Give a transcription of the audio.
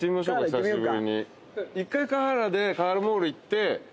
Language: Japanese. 久しぶりに。